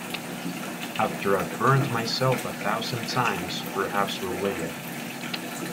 After I've burnt myself a thousand times, perhaps we'll win.